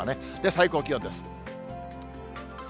最高気温です。